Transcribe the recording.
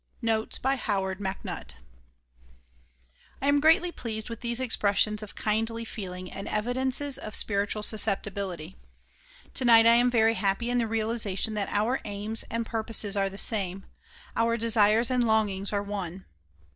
Notes by Howard MacNutt I AM greatly pleased with these expressions of kindly feeling and evidences of spiritual susceptibility. Tonight I am very happy in the realization that our aims and purposes are the same, our desires and longings are one.